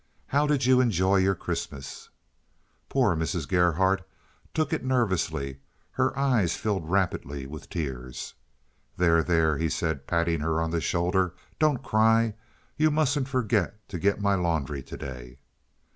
"How did you enjoy your Christmas?" Poor Mrs. Gerhardt took it nervously; her eyes filled rapidly with tears. "There, there," he said, patting her on the shoulder. "Don't cry. You mustn't forget to get my laundry to day."